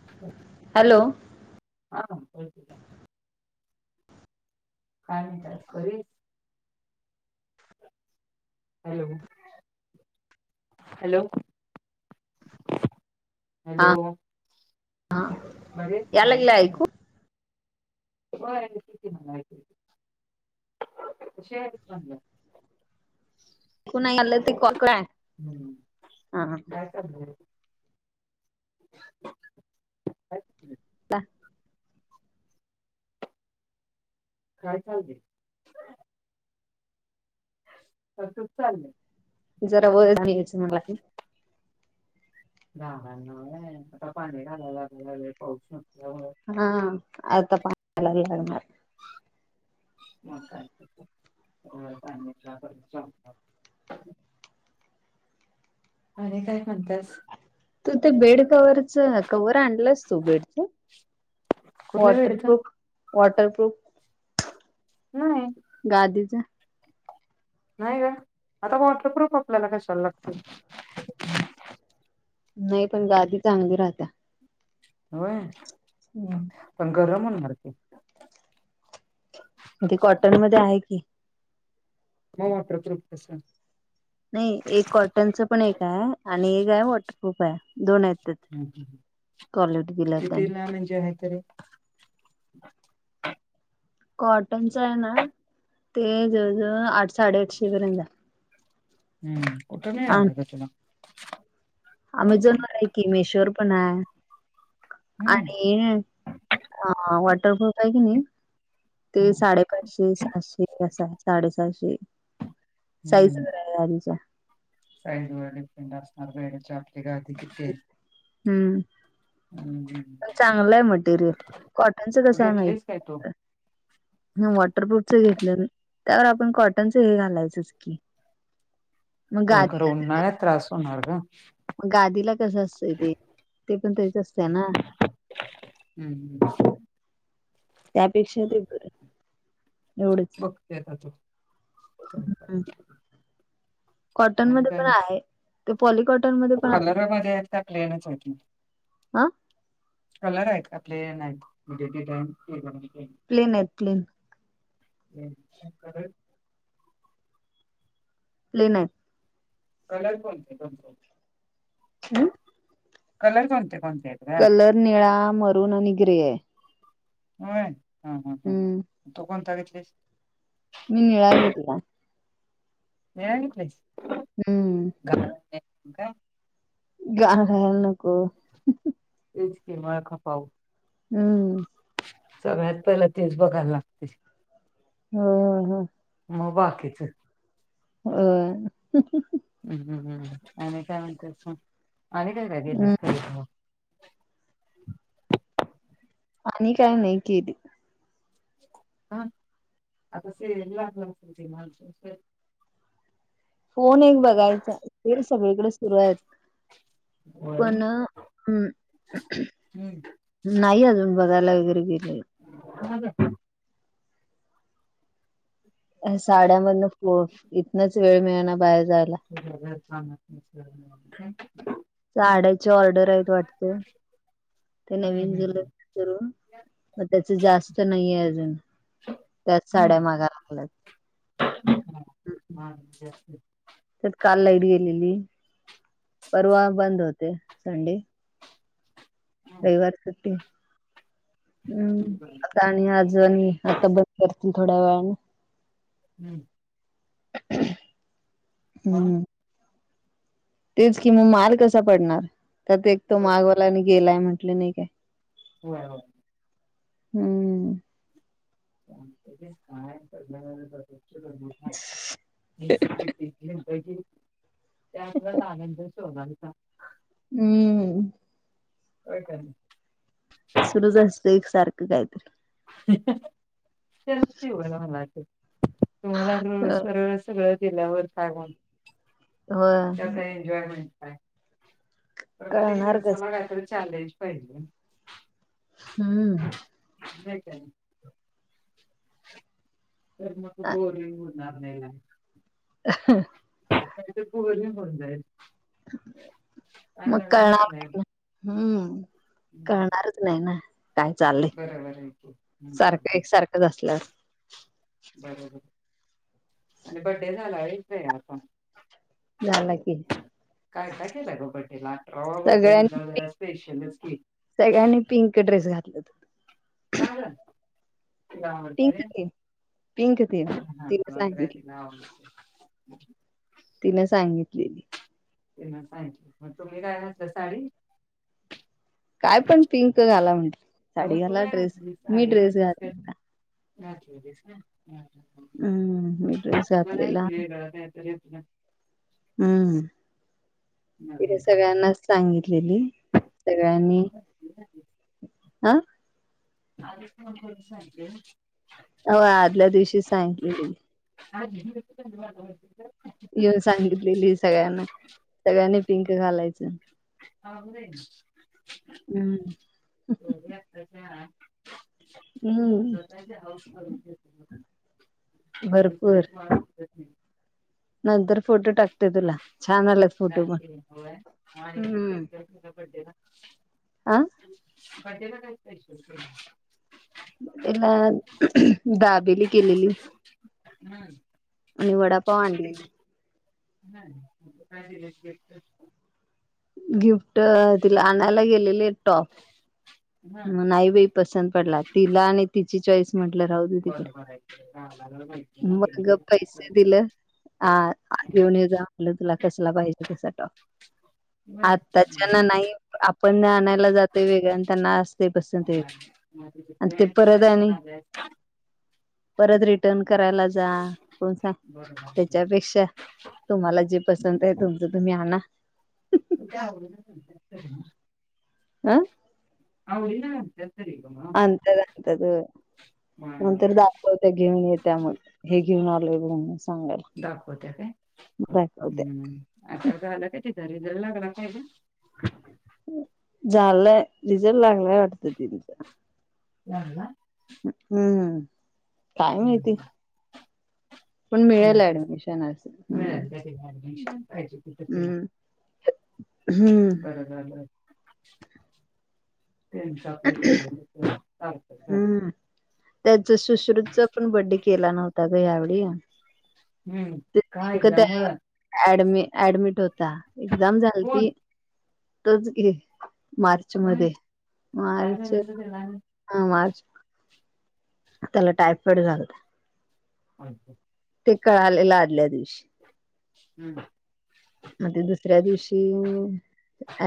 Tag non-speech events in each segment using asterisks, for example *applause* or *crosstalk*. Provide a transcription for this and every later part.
*inaudible* Hello. हा बोलती काय? काय म्हणत्यास *unintelligible* हॅलो, हॅलो. हा हॅलो, हा बरी आहेस या काय लागलं म्हटलं? ऐकू होय *unintelligible* कशी आहेस म्हणलं. *unintelligible* हम्म हा. *unintelligible* ला. काय चाललंय. *unintelligible* चाललय. जरा वर घे *unintelligible* झाडांना होय आता पाणी घालायला लाग वे पाऊस सुटल्यावर. हा आत पानी घालायला लागणार. म *unintelligible* *inaudible* आणि काय म्हणतेस. तू ते बेड कवरच क्हवर आणलंच तो बेडच. कुठल्या वेडचा वॉटरप्रूफ वॉटरप्रूफ. नाही. गादीचा. नाही ग आता वॉटरप्रुफ आपल्याला कशाला लागते. नाही पण गादी चांगली राहता. होय. हम्. पण गरम होणार की. ते कॉटन मध्ये आहे की. मम प्रतृपत पसंद *unintelligible* नाही एक कॉटनचं पण एक आहे आणि एक आहे वॉटरप्रूफ आहे दोन आहेत. हम्म हम्म. कॉलटी दिला त्यांनी कितीला म्हणजे आहे तरी कॉटनच आहे ना ते जवळ जवळ आठ साडेआठशे पर्यंत आहे. हम्म कुठे मिळालं ग तुला. अमेझॉन वर आहे कि मेशोर पण आहे हम्म आणि हा वॉटरप्रुफ आहे की नाही ते हम्म साडे ठशे सातशे अस साडेसहाशे साईज हम्म बरा आहे आधीचा साईज वर डिपेंड असणार बेडचे आपली गादी किथे. हम्म. पण चांगलं आहे मटेरियल कॉटनच कसं आहे माहिित. घेतलीस काय तू वॉटरप्रुफच घेतलं त्यावर आपण कॉटनचं हे घालायचच की. *inaudible* होय खरं गादीला उन्हाळ्यात त्रास होणार ग. मग गादीला कसं असतंय ते पण तेच असत. हम्म. त्यापेक्षा ते बर एवढच. बघते आता तू काय करायचं. कॉटन आणि मध्ये काय पण आहे ते पॉलिकॉटन मध्ये पण आहे. त्या मद्ये प्लॅन च होती. हा कलर आहेत का प्लॅन आहेत म्हणजे तेी टाई ते प्लॅन आहेत प्लॅन. *inaudible* प्लेन आहेत. कलर कोणते कोणते ह. कलर कोणते कोणतेयेत. कलर निळा मरूम आणि ग्रे आहे. हो हा हा ह ह हम्म तू कोणता घेतलीस. नीळ घेतला. निळा घेतलेस. हम्म. घा काय *unintelligible* गाल नको. तेच की माळ खपाव. हम्म. सगळ्यात पहिला. तेच बघायला लागते. ह ह. म बाकीच. होय. ते *unintelligible* हम्म हम्म हम्म. आणि काय म्हणतेस म आणि काय काय केली हम्म खरेदी तवा. आणि काय नाही केली. हा आता स ए क् *unintelligible* फोन एक बघायचा. ते सगळीकडे सुरू आहेत. होय पण हम्म. नाही अजून, बघायला वगैरे गेले, अ *inaudible* साड्यामधन. इतनच वेळ मिळना बाहेर जायला. ब *inaudible* साड्याची ऑर्डर आहेत वाटत. ते हम्म नवीन हम्म झुलच करून. पण त्याच जास्त नाहीये अजून. त्याच साड्या मागा लागल्यात. ह जास् *inaudible* त्यात काल लाईट गेलेली. परवा बंद होते. संडे. हम्म रविवार सुट्टी. हम्म. बरोबर आहे. आणि आज आणि. आता बंद करतील थोड्या वेळाने. हम्म. मग हम्म. तेच कि मग, माल कसा पडणार. त्यात एक तो बरोबर. माघवालाने गेलाय म्हटलं नाही काय. व्हय, व्हय. हम्म. काय मोठ *unintelligible* त्या आनंद शोगालचा *unintelligible* अम्म. व्हय का नाही. सुरूच असतय, एक सारखं काहीतरी. त्या हो *unintelligible* तुम्हाला र सरळ सगळं दिल्यावर का होना त्या हो काय एन्जॉयमेंट काय. प्रत्येक कळणार कस दिवसाला काहीतरी चालेज पाहिजे. हम्म. नाही काय. तर मग आ, बोरिंग होईल. नाही *unintelligible* अ *unintelligible* काही ते बोरिंग होऊन जाईल. काय मग नवीनच कळणार, नाही हम्म. करळणारच नाही ना. काय चाललंय. बरोबर आहे की सारखं हम्म एकसारखंच असल्या बरोबरे. आणि बड्डे झाला होय श्रेयाचा. झाला की. काय का केलं ग बड्डेला. अठरावा बड्डे सगळ्यांनी म्हणल्याव जरा पिंक स्पेशलच की. सगळ्यांनी पिंक ड्रेस घातल होत. का ग? तीला पिंक आवडते. की पिंक ती तिने हा सांगितली तीला आवडते. तिने सांगितलेली. तीन सांगीतली. मग तुम्ही काय घातलं. साडी? काय पण पिंक घाला म्हणते नव्ह साडी तू घाला काय ड्रेस मी ड्रेस घाल हम्म मी ड्रेस मरय घातलेला य हम्म तिने नवीन काली सगळ्यांनाच सांगितलेली सगळ्यांनी हा हा हो आदल्या दिवशी सांगलेली अ येऊन सांगितलेली सगळ्यांना सगळ्यांनी पिंक घालायचं हद हम्म हो्या आपच हम्म भरपूर *unintelligible* नंतर फोटो टाकते तुला छान आलात फोटो पण होु हम्म बडेला हा आणि बडे ला काय स्पेशल केलाय? त्यांना दाबेली केलेली. ह् आणि वडा पाव आणलेले. नाही. आणि काय दील्याशी गिफ्ट? गिफ्ट तिला आणायला गेलेले टॉप हम्म. म नाही बा पसंत पडला तिला आणि तिची चॉईस म्हटलं राहू दे तिकडे बरोबर मग पैसे दिले आ *unintelligible* तुला कसला पाहिजे कस ट आताच्याना नाही आपण आणायला जातोय वेगळं त्यांना असते पसंत वेगळं तु आणि ते परत आणि फ्रेंड परत रिटर्न करायला जा कोण स त्याच्यापेक्षा तुम्हाला जे पसंत आहे तुमचं तुम्ही आणा जा आं आरला तेसरग म ंत मग मंत ते घेऊन येत त्यामुळे हे घेऊन आलोय बून दाखवत्या काय, दाखवत्या हम्म. आता झाल काय तिचा रिझल्ट लागला काय ग? झालंय रिझल लागलाय वाटत तेंचा. लागला हम्म, काय माहिती? पण मिळेल माहितीच ऍडमिशन असं, हम् मिळालं त्या तिला ऍडमिशन पाहिजे तिथं तिला हम्म हम्म हॅलो, तेंच आपल्याला *unintelligible* हम्म, त्याचा सुश्रुतचा पण बड्डे केला नव्हता ग यावेळी हम्म काय तो झाल्यामुळं ऍड ऍडमिट होता. एक्झाम कोण झालती. तोच की मार्च होय मध्ये, काय मार्च झालं त्याला हा मार्च त्याला टायफाईड झालता. अच्छा ते कळालेलं आदल्या दिवशी हम्म आणि ते दुसऱ्या दिवशी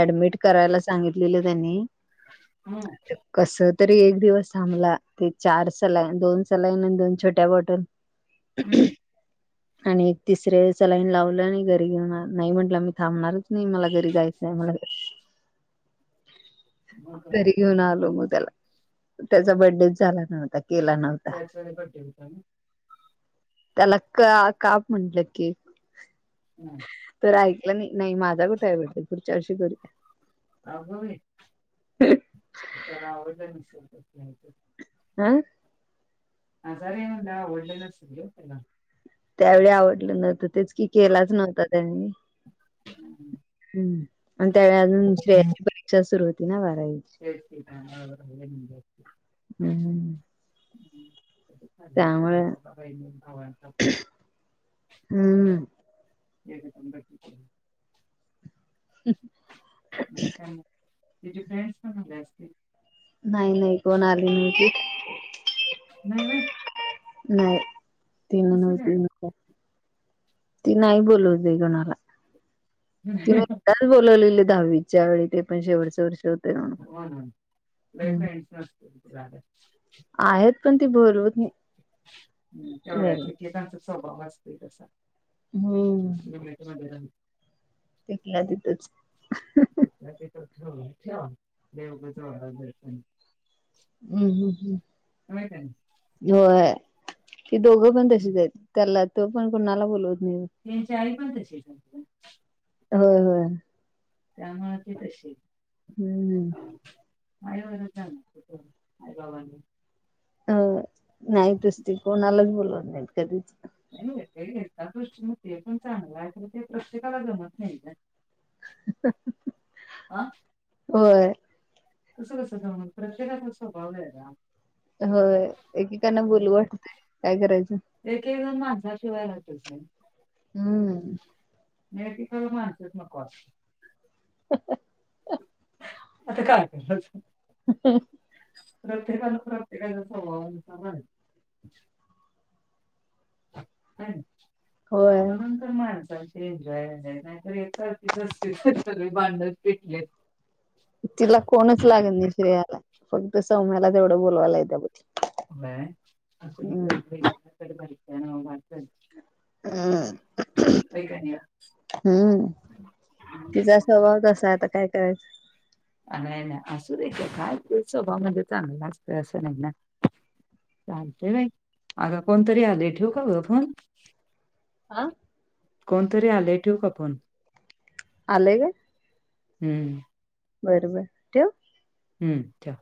ऍडमिट करायला सांगितलेलं त्यांनी- हम कस तरी एक दिवस थांबला, ते चार सलाईन दोन सलाईन आणि दोन छोट्या बॉटल हम्म *inaudible* आणि एक तिसरे सलाईन लावलं आणि घरी घेऊन नाही म्हंटलं मी थांबणारच. नाही मला घरी जायचंय. मला बर *inaudible* घरी घेऊन आलो मग त्याला, त्याचा बर्थडे झाला नव्हता केला नव्हता त्याचवेळी बड्डे होता ना? त्याला का काप म्हटलं केक. हम तर ऐकलं नाही नाही माझा कुठे आहे बर्थडे पुुढच्या वर्षी करूया. अग बाई त्याला आवडलं नसेल ग *unintelligible* हा आजारी हाय म्हंटल्यावर आवडल नसेल ग त्याला. त्यावेळी आवडलं नव्हतं तेच की केलाच नव्हता त्यांनी. हम् *inaudible* हम आणि त्यावेळी अजून श्रेयाची परीक्षा सुरु होती ना बारावी. तेच की त्यामुळं राहुंदे म्हटल हम्म एकटीच त्यामुळे हम्म *unintelligible* *unintelligible* तचे फ्रेंड्स पण झाले असते. नाही नाही कोण आली नाही ती नाही *unintelligible* नाही ती कसं काय नव्हती ती नाही बोलवली कोणाला, ह् *unintelligible* बोलवलेल. दहावीच्या वेळी ते पण शेवटच वर्ष होत. हो अग लई *unintelligible* आहेत पण ती बोलवत नाही. हम् तेवढ्याच घरी एकेकांचा स्वभाव असतोय तसा. हम्म मट मध्ये *unintelligible* तिथंल्या तिथंच तिथल्या तिथं ठेवल ठेवा मग दर्शन *unintelligible* हम्म हम्म माहिती आहे ना. हम् व्हय ती दोघं पण तशीच आहेत, त्याला तो पण कोणाला बोलवत नाही. तेंची आई पण तशीच असत्या. होय होय. त्यामुळे ते तशी हम्म आई वरच जाणार पोर आई बाबांनी अ नाहीतच ती कोणालाच बोलणार नाहीत कधीच नाही ते एक दृष्टीन ते पण चांगलं आहे तर ते प्रत्येकाला जमत नाही ना आं होय. तसं कसं जमल प्रत्येकाचा स्वभाव वेगळा. होय एकेकांना बोलू वाटतंय, काय करायचं. एक एक जण माणसाशिवाय राहतच नाही. हम् एकेकाना माणसंच नको असतय. *unintelligible* आता काय एकायचंच ह प्रत्येकानं प्रत्येकाच्या स्वभावानुसार राहायच. होय म्हणून तर माणसांशी एन्जॉयय नाही तर. सारखीच असतेते सगळे भांडन पेटलेत. तिला कोणच लागत नाही श्रेयाला फक्त सौम्याला तेवढं बोलवायला येत बघ. अ भ आ हम्म *inaudible* हम हम्म तिचा स्वभाव तसा आता काय करायचं. नाही ना असू दे काय ते स्वभाव म्हणजे चांगलं असंत नाही ना चालतय बाई अंग कोणतरी आले ठेवू का ग फोन हा कोणतरी आले ठेवु का फोन आले हं. हम्म बर बर ठेवू? हम्म ठेव.